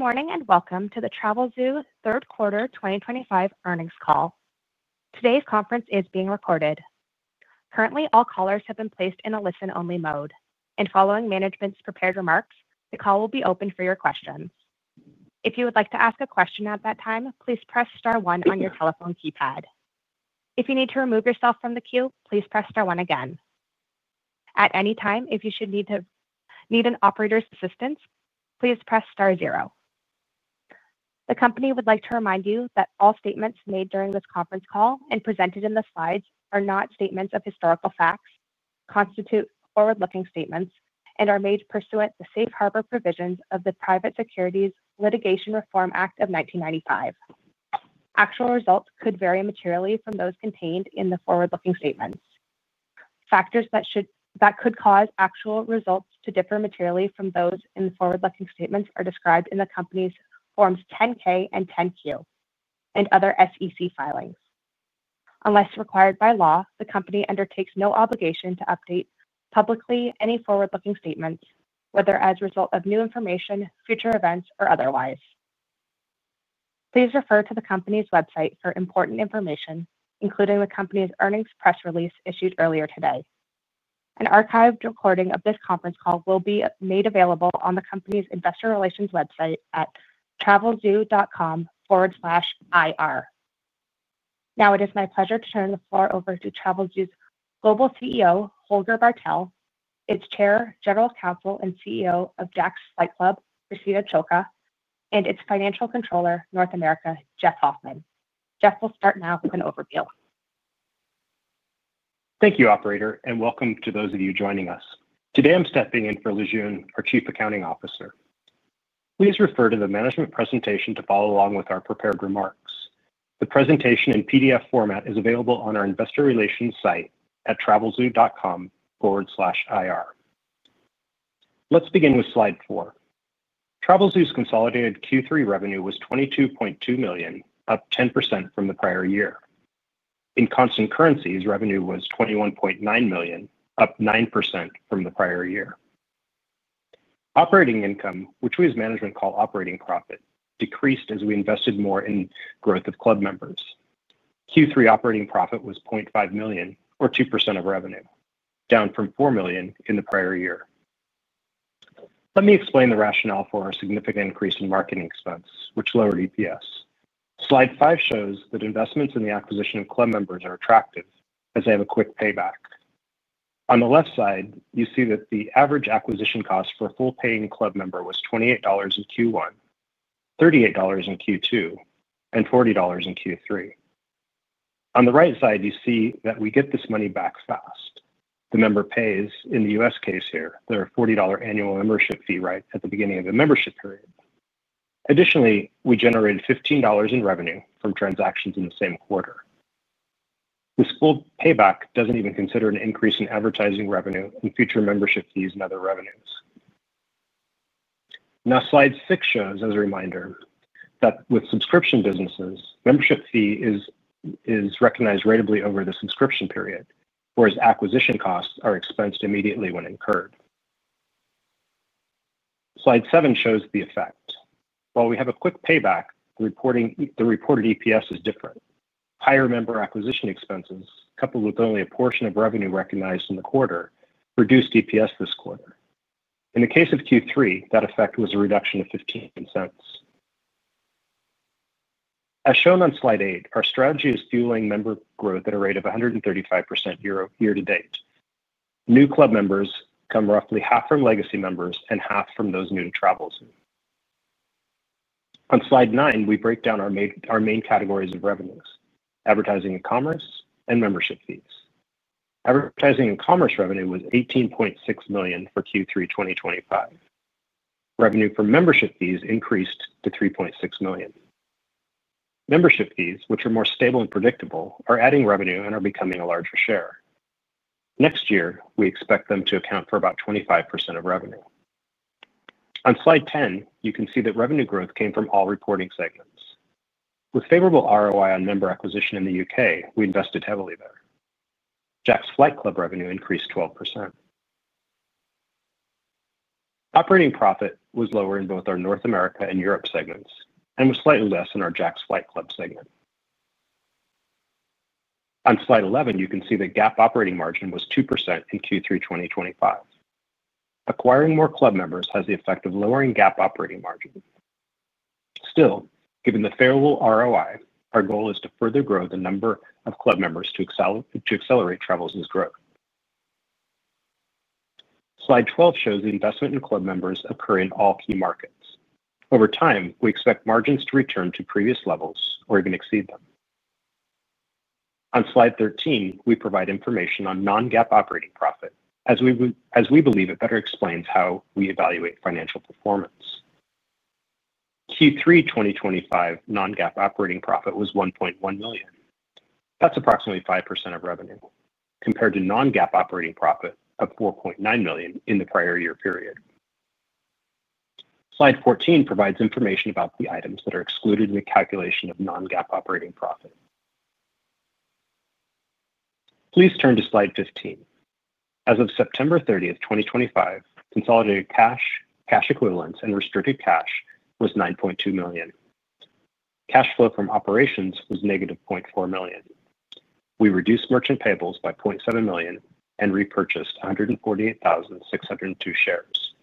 Good morning and welcome to the Travelzoo third quarter 2025 earnings call. Today's conference is being recorded. Currently, all callers have been placed in a listen-only mode, and following management's prepared remarks, the call will be open for your questions. If you would like to ask a question at that time, please press star one on your telephone keypad. If you need to remove yourself from the queue, please press star one again. At any time, if you need an operator's assistance, please press star zero. The company would like to remind you that all statements made during this conference call and presented in the slides are not statements of historical facts, constitute forward-looking statements, and are made pursuant to the Safe Harbor provisions of the Private Securities Litigation Reform Act of 1995. Actual results could vary materially from those contained in the forward-looking statements. Factors that could cause actual results to differ materially from those in the forward-looking statements are described in the company's Forms 10-K and 10-Q and other SEC filings. Unless required by law, the company undertakes no obligation to update publicly any forward-looking statements, whether as a result of new information, future events, or otherwise. Please refer to the company's website for important information, including the company's earnings press release issued earlier today. An archived recording of this conference call will be made available on the company's investor relations website at travelzoo.com/ir. Now, it is my pleasure to turn the floor over to Travelzoo's Global CEO, Holger Bartel, its Chair, General Counsel, and CEO of Jack's Flight Club, Christina Ciocca, and its Financial Controller, North America, Jeff Hoffman. Jeff, we'll start now with an overview. Thank you, operator, and welcome to those of you joining us. Today, I'm stepping in for Lijun Qi, our Chief Accounting Officer. Please refer to the management presentation to follow along with our prepared remarks. The presentation in PDF format is available on our investor relations site at travelzoo.com/ir. Let's begin with slide four. Travelzoo's consolidated Q3 revenue was $22.2 million, up 10% from the prior year. In constant currency, revenue was $21.9 million, up 9% from the prior year. Operating income, which we as management call operating profit, decreased as we invested more in the growth of club members. Q3 operating profit was $0.5 million, or 2% of revenue, down from $4 million in the prior year. Let me explain the rationale for our significant increase in marketing expense, which lowered EPS. Slide five shows that investments in the acquisition of club members are attractive as they have a quick payback. On the left side, you see that the average acquisition cost for a full paying club member was $28 in Q1, $38 in Q2, and $40 in Q3. On the right side, you see that we get this money back fast. The member pays, in the U.S. case here, their $40 annual membership fee right at the beginning of the membership period. Additionally, we generated $15 in revenue from transactions in the same quarter. This full payback doesn't even consider an increase in advertising revenue and future membership fees and other revenues. Now, slide six shows, as a reminder, that with subscription businesses, the membership fee is recognized ratably over the subscription period, whereas acquisition costs are expensed immediately when incurred. Slide seven shows the effect. While we have a quick payback, the reported EPS is different. Higher member acquisition expenses, coupled with only a portion of revenue recognized in the quarter, reduced EPS this quarter. In the case of Q3, that effect was a reduction of $0.15. As shown on slide eight, our strategy is fueling member growth at a rate of 135% year-to-date. New club members come roughly half from legacy members and half from those new to Travelzoo. On slide nine, we break down our main categories of revenues: advertising and commerce, and membership fees. Advertising and commerce revenue was $18.6 million for Q3 2025. Revenue from membership fees increased to $3.6 million. Membership fees, which are more stable and predictable, are adding revenue and are becoming a larger share. Next year, we expect them to account for about 25% of revenue. On slide ten, you can see that revenue growth came from all reporting segments. With favorable ROI on member acquisition in the UK, we invested heavily there. Jack's Flight Club revenue increased 12%. Operating profit was lower in both our North America and Europe segments and was slightly less in our Jack's Flight Club segment. On slide 11, you can see that GAAP operating margin was 2% in Q3 2025. Acquiring more club members has the effect of lowering GAAP operating margin. Still, given the favorable ROI, our goal is to further grow the number of club members to accelerate Travelzoo's growth. Slide 12 shows the investment in club members occurring in all key markets. Over time, we expect margins to return to previous levels or even exceed them. On slide 13, we provide information on non-GAAP operating profit, as we believe it better explains how we evaluate financial performance. Q3 2025 non-GAAP operating profit was $1.1 million. That's approximately 5% of revenue compared to non-GAAP operating profit of $4.9 million in the prior year period. Slide 14 provides information about the items that are excluded in the calculation of non-GAAP operating profit. Please turn to slide 15. As of September 30, 2025, consolidated cash, cash equivalents, and restricted cash was $9.2 million. Cash flow from operations was negative $0.4 million. We reduced merchant payables by $0.7 million and repurchased 148,602 shares.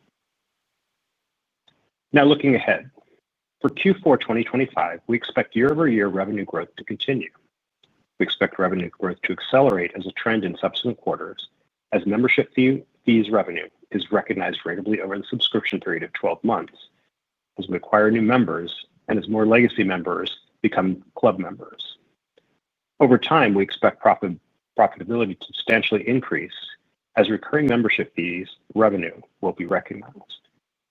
Now, looking ahead, for Q4 2025, we expect year-over-year revenue growth to continue. We expect revenue growth to accelerate as a trend in subsequent quarters, as membership fees revenue is recognized ratably over the subscription period of 12 months, as we acquire new members and as more legacy members become club members. Over time, we expect profitability to substantially increase as recurring membership fees revenue will be recognized.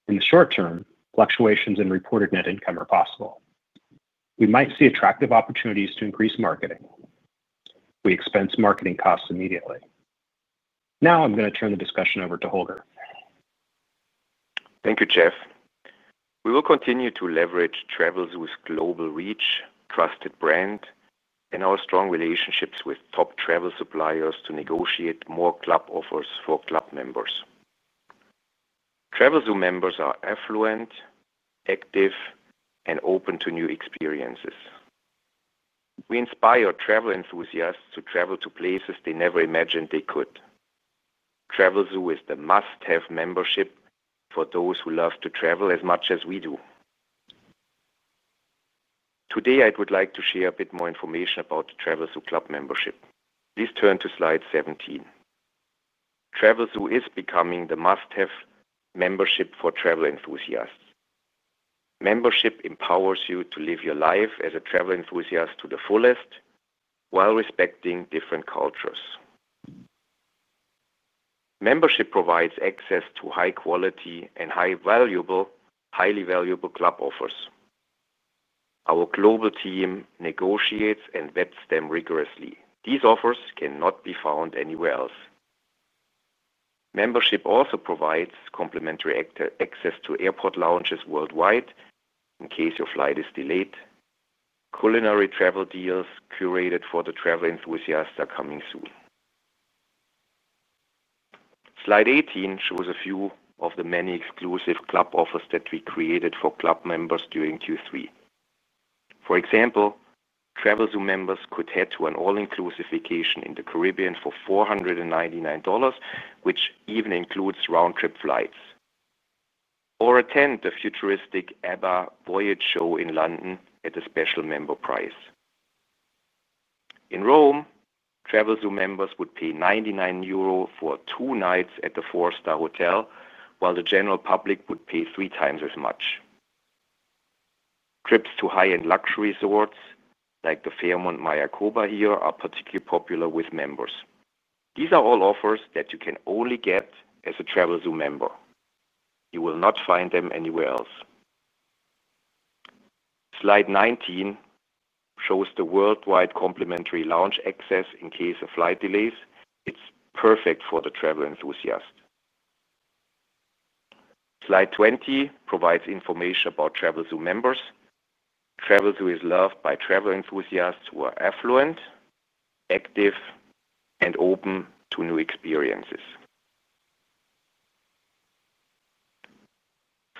In the short term, fluctuations in reported net income are possible. We might see attractive opportunities to increase marketing. We expense marketing costs immediately. Now, I'm going to turn the discussion over to Holger. Thank you, Jeff. We will continue to leverage Travelzoo's global reach, trusted brand, and our strong relationships with top travel suppliers to negotiate more club offers for club members. Travelzoo members are affluent, active, and open to new experiences. We inspire travel enthusiasts to travel to places they never imagined they could. Travelzoo is the must-have membership for those who love to travel as much as we do. Today, I would like to share a bit more information about the Travelzoo club membership. Please turn to slide 17. Travelzoo is becoming the must-have membership for travel enthusiasts. Membership empowers you to live your life as a travel enthusiast to the fullest while respecting different cultures. Membership provides access to high-quality and highly valuable club offers. Our global team negotiates and vets them rigorously. These offers cannot be found anywhere else. Membership also provides complimentary access to airport lounges worldwide in case your flight is delayed. Culinary travel deals curated for the travel enthusiasts are coming soon. Slide 18 shows a few of the many exclusive club offers that we created for club members during Q3. For example, Travelzoo members could head to an all-inclusive vacation in the Caribbean for $499, which even includes round-trip flights, or attend the futuristic ABBA Voyage Show in London at a special member price. In Rome, Travelzoo members would pay 99 euro for two nights at the four-star hotel, while the general public would pay three times as much. Trips to high-end luxury resorts like the Fairmont Mayakoba here are particularly popular with members. These are all offers that you can only get as a Travelzoo member. You will not find them anywhere else. Slide 19 shows the worldwide complimentary lounge access in case of flight delays. It's perfect for the travel enthusiast. Slide 20 provides information about Travelzoo members. Travelzoo is loved by travel enthusiasts who are affluent, active, and open to new experiences.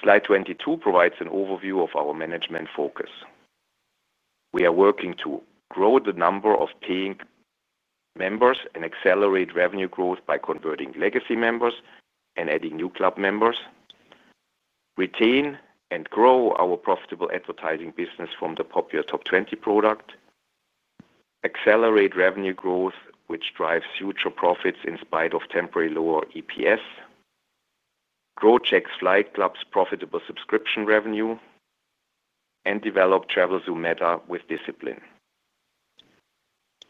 Slide 22 provides an overview of our management focus. We are working to grow the number of paying members and accelerate revenue growth by converting legacy members and adding new club members, retain and grow our profitable advertising business from the popular Top 20 product, accelerate revenue growth, which drives future profits in spite of temporary lower EPS, grow Jack's Flight Club's profitable subscription revenue, and develop Travelzoo Meta with discipline.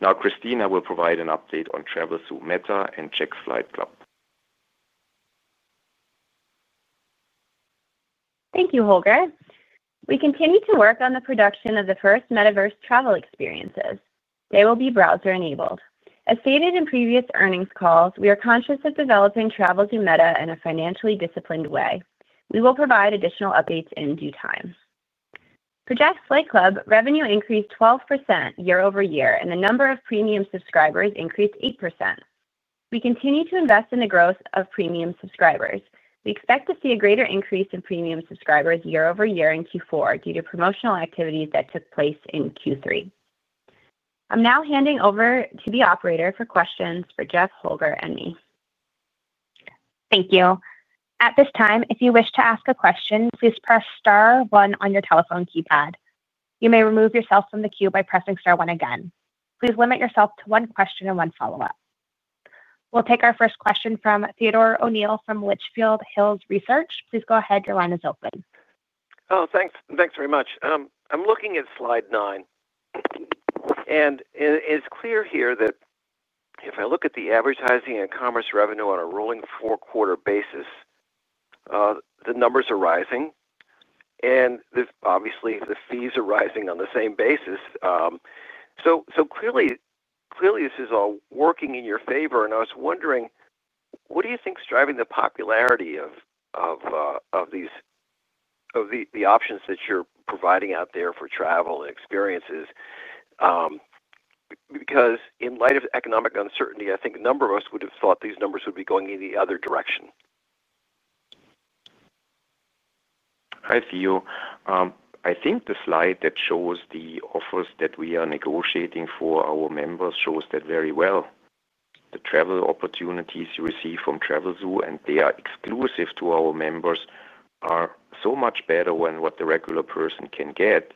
Now, Christina will provide an update on Travelzoo Meta and Jack's Flight Club. Thank you, Holger. We continue to work on the production of the first metaverse travel experiences. They will be browser-enabled. As stated in previous earnings calls, we are conscious of developing Travelzoo Meta in a financially disciplined way. We will provide additional updates in due time. For Jack's Flight Club, revenue increased 12% year-over-year, and the number of premium subscribers increased 8%. We continue to invest in the growth of premium subscribers. We expect to see a greater increase in premium subscribers year-over-year in Q4 due to promotional activities that took place in Q3. I'm now handing over to the operator for questions for Jeff, Holger, and me. Thank you. At this time, if you wish to ask a question, please press star one on your telephone keypad. You may remove yourself from the queue by pressing star one again. Please limit yourself to one question and one follow-up. We'll take our first question from Theodore O'Neill from Litchfield Hills Research. Please go ahead. Your line is open. Thanks very much. I'm looking at slide nine, and it's clear here that if I look at the advertising and commerce revenue on a rolling four-quarter basis, the numbers are rising, and obviously, the fees are rising on the same basis. Clearly, this is all working in your favor. I was wondering, what do you think is driving the popularity of these options that you're providing out there for travel and experiences? Because in light of economic uncertainty, I think a number of us would have thought these numbers would be going in the other direction. Hi Theo. I think the slide that shows the offers that we are negotiating for our members shows that very well. The travel opportunities you receive from Travelzoo, and they are exclusive to our members, are so much better than what the regular person can get,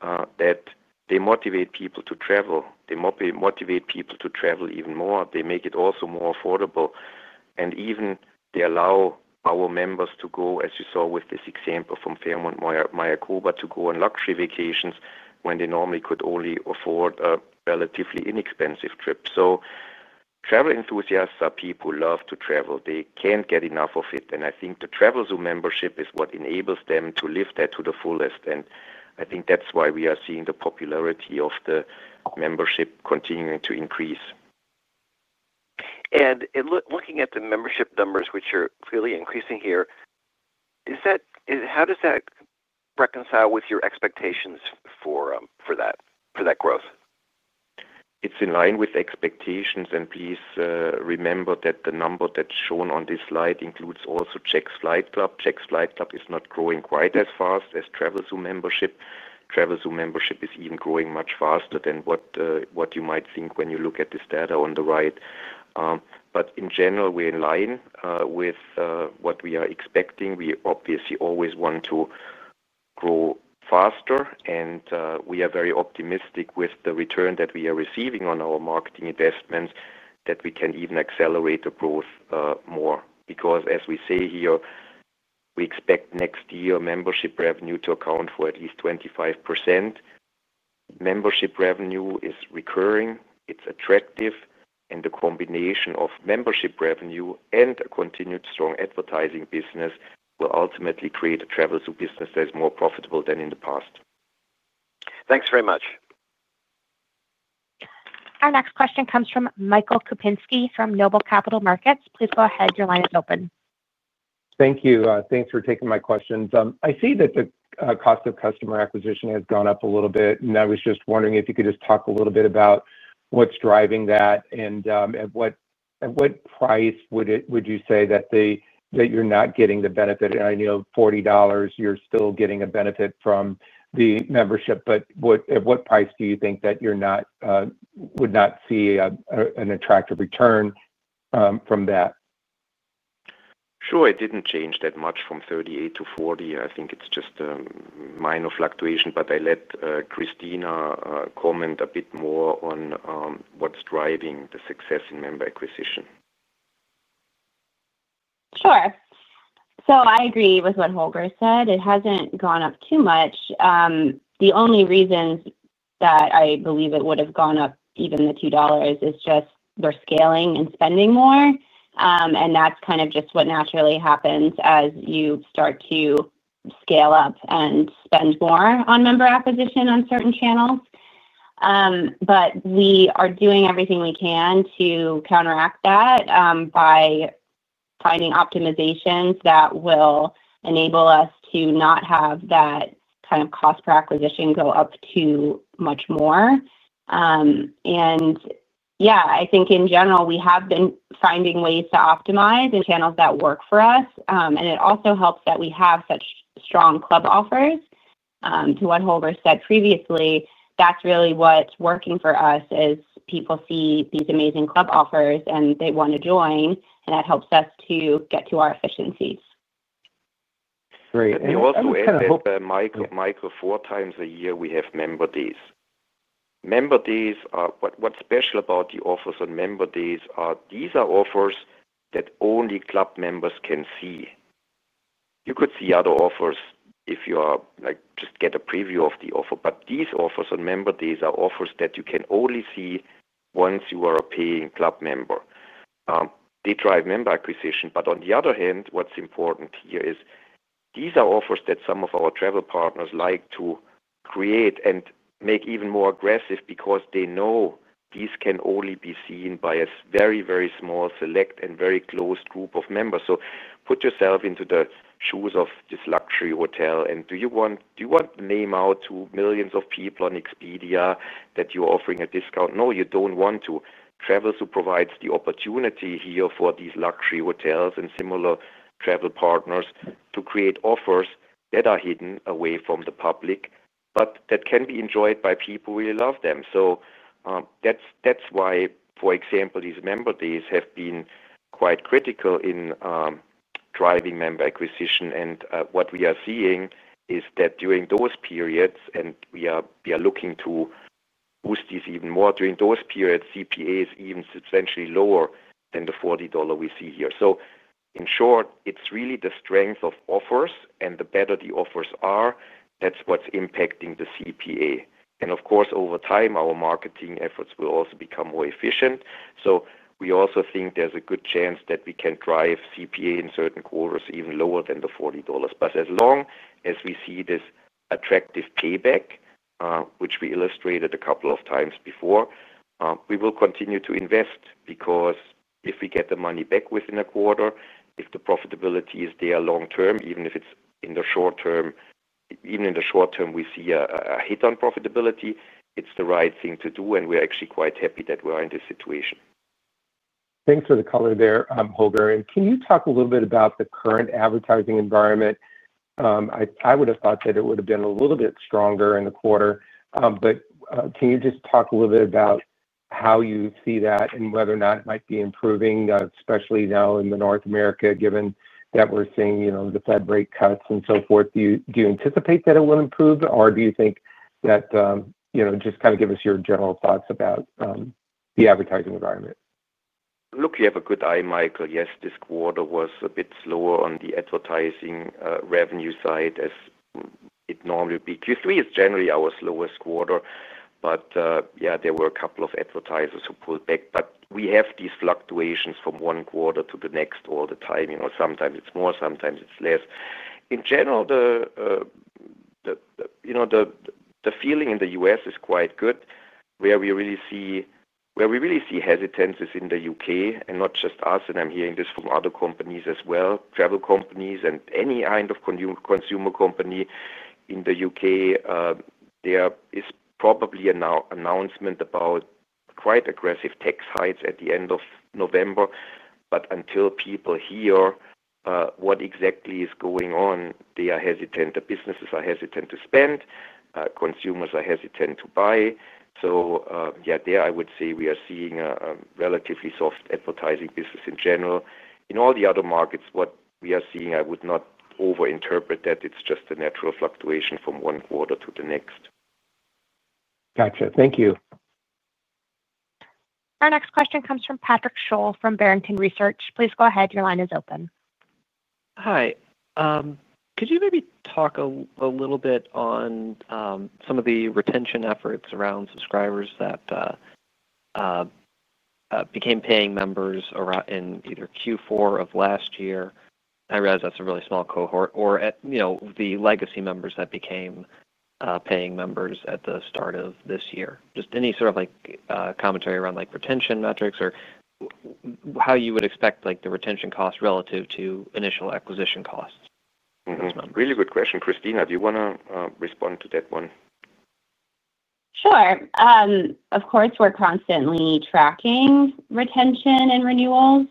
that they motivate people to travel. They motivate people to travel even more. They make it also more affordable. They allow our members to go, as you saw with this example from Fairmont Mayakoba, to go on luxury vacations when they normally could only afford a relatively inexpensive trip. Travel enthusiasts are people who love to travel. They can't get enough of it. I think the Travelzoo membership is what enables them to live that to the fullest. I think that's why we are seeing the popularity of the membership continuing to increase. Looking at the membership numbers, which are clearly increasing here, how does that reconcile with your expectations for that growth? It's in line with expectations. Please remember that the number that's shown on this slide includes also Jack's Flight Club. Jack's Flight Club is not growing quite as fast as Travelzoo membership. Travelzoo membership is even growing much faster than what you might think when you look at this data on the right. In general, we're in line with what we are expecting. We obviously always want to grow faster, and we are very optimistic with the return that we are receiving on our marketing investments that we can even accelerate the growth more because, as we say here, we expect next year membership revenue to account for at least 25%. Membership revenue is recurring. It's attractive. The combination of membership revenue and a continued strong advertising business will ultimately create a Travelzoo business that is more profitable than in the past. Thanks very much. Our next question comes from Michael Kupinski from Noble Capital Markets. Please go ahead. Your line is open. Thank you. Thanks for taking my questions. I see that the cost of customer acquisition has gone up a little bit, and I was just wondering if you could just talk a little bit about what's driving that and at what price would you say that you're not getting the benefit? I know $40, you're still getting a benefit from the membership, but at what price do you think that you would not see an attractive return from that? Sure. It didn't change that much from 38 to 40. I think it's just a minor fluctuation. I let Christina comment a bit more on what's driving the success in member acquisition. Sure. I agree with what Holger said. It hasn't gone up too much. The only reasons that I believe it would have gone up even the $2 is just they're scaling and spending more. That's kind of just what naturally happens as you start to scale up and spend more on member acquisition on certain channels. We are doing everything we can to counteract that by finding optimizations that will enable us to not have that kind of cost per acquisition go up too much more. I think in general, we have been finding ways to optimize and channels that work for us. It also helps that we have such strong club offers. To what Holger said previously, that's really what's working for us is people see these amazing club offers and they want to join, and that helps us to get to our efficiencies. Great. As I said, Mike, four times a year, we have member days. Member days are, what's special about the offers on member days are these are offers that only club members can see. You could see other offers if you just get a preview of the offer. These offers on member days are offers that you can only see once you are a paying club member. They drive member acquisition. What's important here is these are offers that some of our travel partners like to create and make even more aggressive because they know these can only be seen by a very, very small, select, and very closed group of members. Put yourself into the shoes of this luxury hotel. Do you want to name out to millions of people on Expedia that you're offering a discount? No, you don't want to. Travelzoo provides the opportunity here for these luxury hotels and similar travel partners to create offers that are hidden away from the public, but that can be enjoyed by people who love them. That's why, for example, these member days have been quite critical in driving member acquisition. What we are seeing is that during those periods, and we are looking to boost these even more, during those periods, cost per acquisition is even substantially lower than the $40 we see here. In short, it's really the strength of offers, and the better the offers are, that's what's impacting the cost per acquisition. Of course, over time, our marketing efforts will also become more efficient. We also think there's a good chance that we can drive cost per acquisition in certain quarters even lower than the $40. As long as we see this attractive payback, which we illustrated a couple of times before, we will continue to invest because if we get the money back within a quarter, if the profitability is there long term, even if in the short term we see a hit on profitability, it's the right thing to do. We're actually quite happy that we are in this situation. Thanks for the color there, Holger. Can you talk a little bit about the current advertising environment? I would have thought that it would have been a little bit stronger in the quarter. Can you just talk a little bit about how you see that and whether or not it might be improving, especially now in North America, given that we're seeing the Fed rate cuts and so forth? Do you anticipate that it will improve, or do you think that, you know, just kind of give us your general thoughts about the advertising environment? Look, you have a good eye, Michael. Yes, this quarter was a bit slower on the advertising revenue side as it normally would be. Q3 is generally our slowest quarter. There were a couple of advertisers who pulled back. We have these fluctuations from one quarter to the next all the time. Sometimes it's more, sometimes it's less. In general, the feeling in the U.S. is quite good. Where we really see hesitancy is in the UK, and not just us, I'm hearing this from other companies as well, travel companies and any kind of consumer company in the UK. There is probably an announcement about quite aggressive tax hikes at the end of November. Until people hear what exactly is going on, they are hesitant. The businesses are hesitant to spend. Consumers are hesitant to buy. There I would say we are seeing a relatively soft advertising business in general. In all the other markets, what we are seeing, I would not overinterpret that. It's just a natural fluctuation from one quarter to the next. Gotcha. Thank you. Our next question comes from Patrick Sholl from Barrington Research. Please go ahead. Your line is open. Hi. Could you maybe talk a little bit on some of the retention efforts around subscribers that became paying members in either Q4 of last year? I realize that's a really small cohort, or the legacy members that became paying members at the start of this year. Just any sort of commentary around retention metrics or how you would expect the retention cost relative to initial acquisition costs in those months? Really good question. Christina, do you want to respond to that one? Sure. Of course, we're constantly tracking retention and renewals.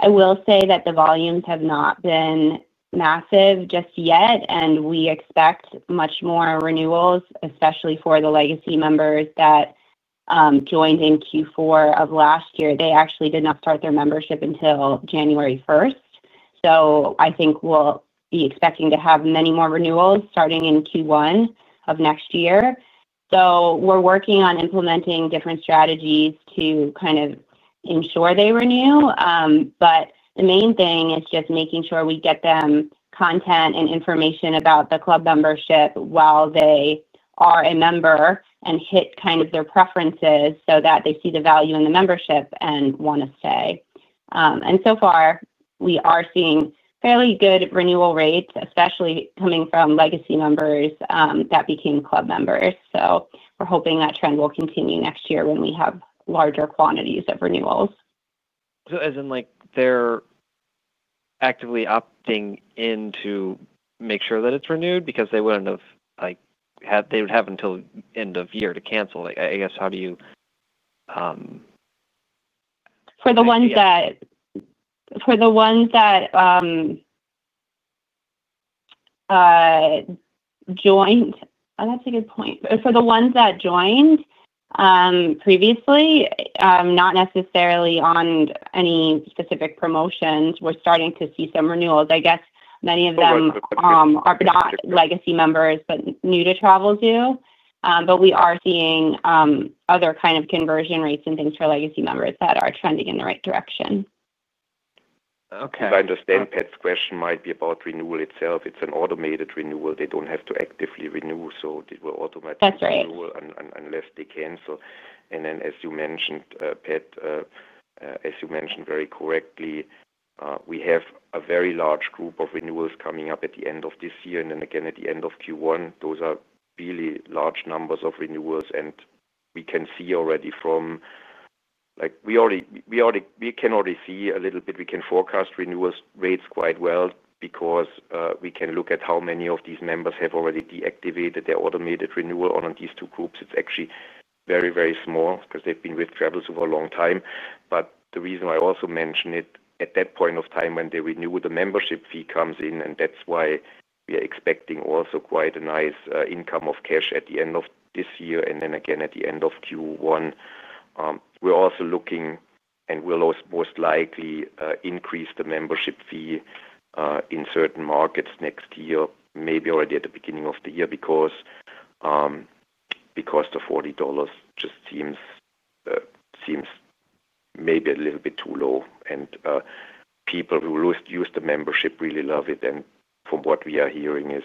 I will say that the volumes have not been massive just yet, and we expect much more renewals, especially for the legacy members that joined in Q4 of last year. They actually did not start their membership until January 1st, 2023. I think we'll be expecting to have many more renewals starting in Q1 of next year. We're working on implementing different strategies to kind of ensure they renew. The main thing is just making sure we get them content and information about the club membership while they are a member and hit kind of their preferences so that they see the value in the membership and want to stay. So far, we are seeing fairly good renewal rates, especially coming from legacy members that became club members. We're hoping that trend will continue next year when we have larger quantities of renewals. As in like they're actively opting in to make sure that it's renewed because they wouldn't have had, like, they would have until the end of year to cancel. I guess, how do you? For the ones that joined, that's a good point. For the ones that joined previously, not necessarily on any specific promotions, we're starting to see some renewals. I guess many of them are not legacy members, but new to Travelzoo. We are seeing other kind of conversion rates and things for legacy members that are trending in the right direction. Okay. I understand Pat's question might be about renewal itself. It's an automated renewal. They don't have to actively renew. It will automatically renew unless they cancel. As you mentioned, Pat, as you mentioned very correctly, we have a very large group of renewals coming up at the end of this year. Again, at the end of Q1, those are really large numbers of renewals. We can already see a little bit. We can forecast renewal rates quite well because we can look at how many of these members have already deactivated their automated renewal on these two groups. It's actually very, very small because they've been with Travelzoo for a long time. The reason I also mentioned it, at that point of time when they renew, the membership fee comes in. That's why we are expecting also quite a nice income of cash at the end of this year. Again, at the end of Q1, we're also looking and will most likely increase the membership fee in certain markets next year, maybe already at the beginning of the year, because the $40 just seems maybe a little bit too low. People who use the membership really love it. From what we are hearing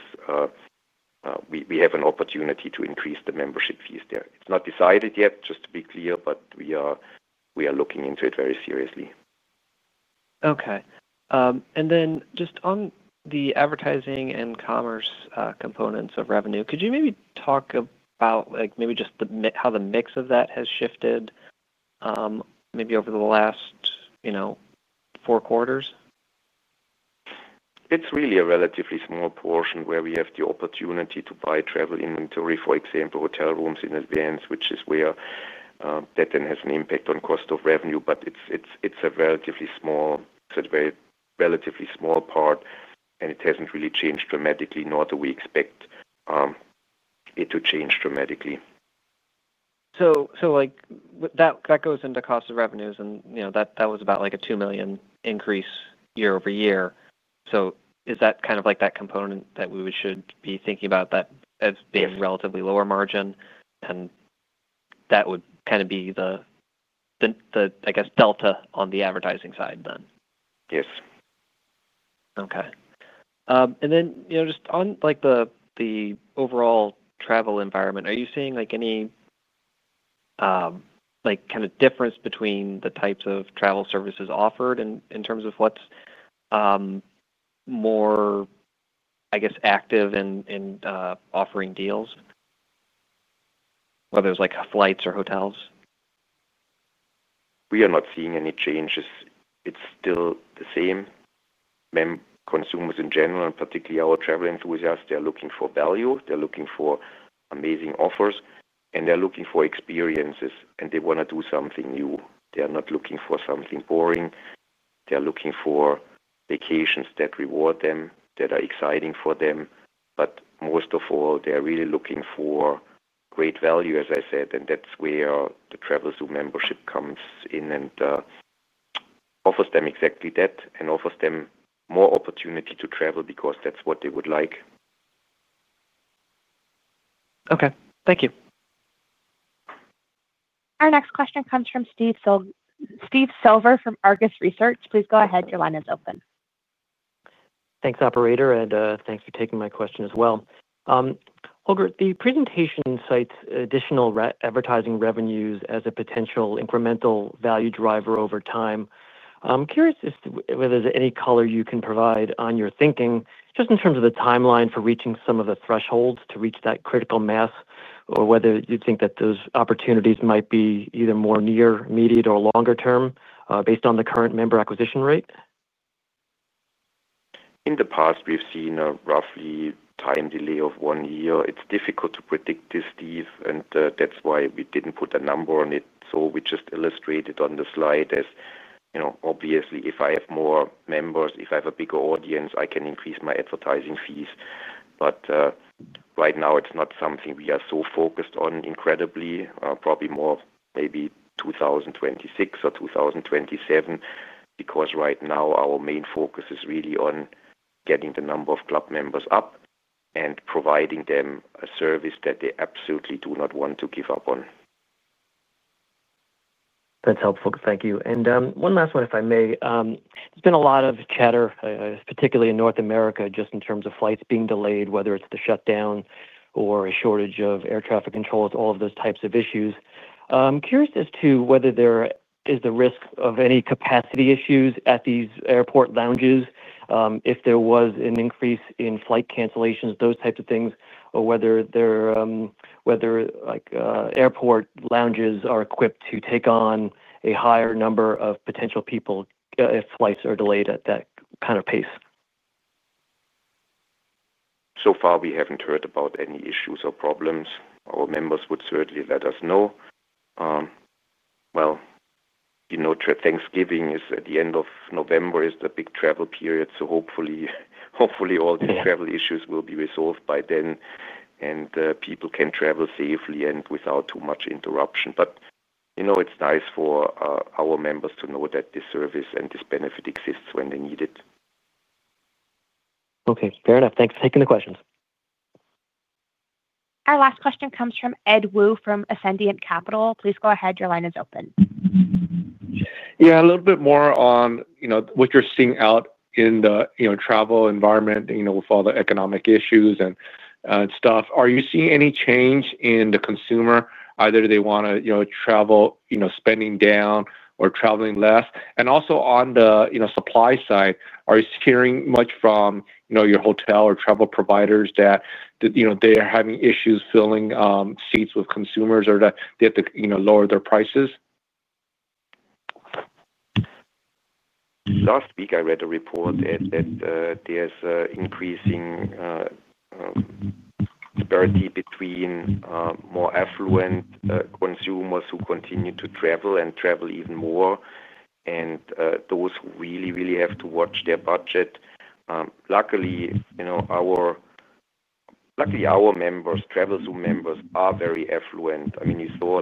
is we have an opportunity to increase the membership fees there. It's not decided yet, just to be clear, but we are looking into it very seriously. Okay. On the advertising and commerce components of revenue, could you maybe talk about how the mix of that has shifted over the last four quarters? It's really a relatively small portion where we have the opportunity to buy travel inventory, for example, hotel rooms in advance, which is where that then has an impact on cost of revenue. It's a relatively small part, and it hasn't really changed dramatically, nor do we expect it to change dramatically. That goes into cost of revenues, and you know that was about a $2 million increase year-over-year. Is that kind of that component that we should be thinking about as being a relatively lower margin? That would kind of be the, I guess, delta on the advertising side then. Yes. Okay. Just on the overall travel environment, are you seeing any kind of difference between the types of travel services offered in terms of what's more, I guess, active in offering deals, whether it's flights or hotels? We are not seeing any changes. It's still the same. Consumers in general, and particularly our travel enthusiasts, they're looking for value. They're looking for amazing offers, and they're looking for experiences, and they want to do something new. They're not looking for something boring. They're looking for vacations that reward them, that are exciting for them. Most of all, they're really looking for great value, as I said. That's where the Travelzoo membership comes in and offers them exactly that and offers them more opportunity to travel because that's what they would like. Okay, thank you. Our next question comes from Steve Silver from Argus Research. Please go ahead. Your line is open. Thanks, operator, and thanks for taking my question as well. Holger, the presentation cites additional advertising revenues as a potential incremental value driver over time. I'm curious as to whether there's any color you can provide on your thinking, just in terms of the timeline for reaching some of the thresholds to reach that critical mass, or whether you think that those opportunities might be either more near, immediate, or longer term based on the current member acquisition rate. In the past, we've seen a roughly time delay of one year. It's difficult to predict this, Steve, and that's why we didn't put a number on it. We just illustrated on the slide as, you know, obviously, if I have more members, if I have a bigger audience, I can increase my advertising fees. Right now, it's not something we are so focused on incredibly, probably more maybe 2026 or 2027, because right now our main focus is really on getting the number of club members up and providing them a service that they absolutely do not want to give up on. That's helpful. Thank you. One last one, if I may. There's been a lot of chatter, particularly in North America, just in terms of flights being delayed, whether it's the shutdown or a shortage of air traffic controls, all of those types of issues. I'm curious as to whether there is the risk of any capacity issues at these airport lounges if there was an increase in flight cancellations, those types of things, or whether airport lounges are equipped to take on a higher number of potential people if flights are delayed at that kind of pace. So far, we haven't heard about any issues or problems. Our members would certainly let us know. Thanksgiving is at the end of November. It's the big travel period. Hopefully, all these travel issues will be resolved by then, and people can travel safely and without too much interruption. It's nice for our members to know that this service and this benefit exists when they need it. Okay. Fair enough. Thanks for taking the questions. Our last question comes from Ed Woo from Ascendiant Capital. Please go ahead. Your line is open. Yeah. A little bit more on what you're seeing out in the travel environment, with all the economic issues and stuff. Are you seeing any change in the consumer, either they want to travel, spending down or traveling less? Also, on the supply side, are you hearing much from your hotel or travel providers that they are having issues filling seats with consumers or that they have to lower their prices? Last week, I read a report that there's an increasing disparity between more affluent consumers who continue to travel and travel even more and those who really, really have to watch their budget. Luckily, you know, our members, Travelzoo members, are very affluent. I mean, you saw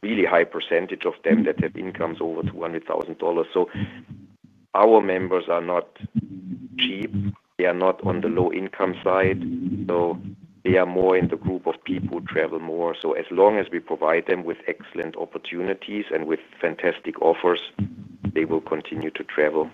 like a really high percentage of them that have incomes over $200,000. Our members are not cheap. They are not on the low-income side. They are more in the group of people who travel more. As long as we provide them with excellent opportunities and with fantastic offers, they will continue to travel.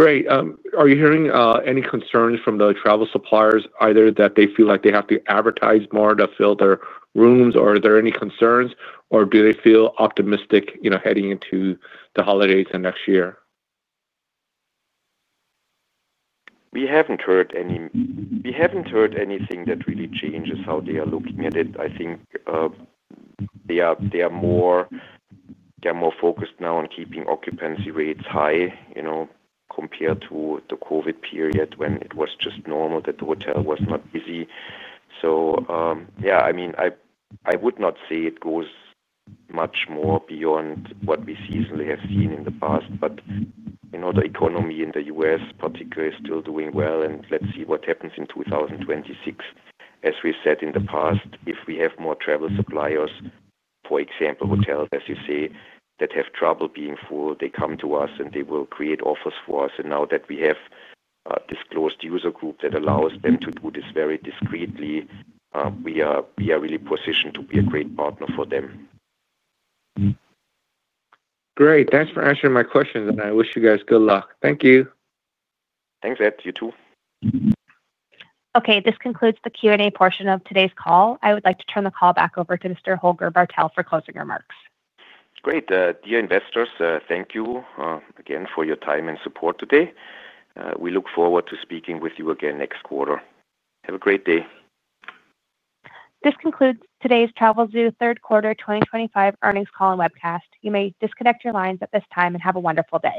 Great. Are you hearing any concerns from the travel suppliers, either that they feel like they have to advertise more to fill their rooms, or are there any concerns, or do they feel optimistic, you know, heading into the holidays and next year? We haven't heard anything that really changes how they are looking at it. I think they are more focused now on keeping occupancy rates high, you know, compared to the COVID period when it was just normal that the hotel was not busy. I would not say it goes much more beyond what we seasonally have seen in the past. The economy in the U.S., particularly, is still doing well. Let's see what happens in 2026. As we said in the past, if we have more travel suppliers, for example, hotels, as you say, that have trouble being full, they come to us and they will create offers for us. Now that we have this closed user group that allows them to do this very discreetly, we are really positioned to be a great partner for them. Great. Thanks for answering my questions, and I wish you guys good luck. Thank you. Thanks, Ed. You too. Okay. This concludes the Q&A portion of today's call. I would like to turn the call back over to Mr. Holger Bartel for closing remarks. Great. Dear investors, thank you again for your time and support today. We look forward to speaking with you again next quarter. Have a great day. This concludes today's Travelzoo third quarter 2025 earnings call and webcast. You may disconnect your lines at this time and have a wonderful day.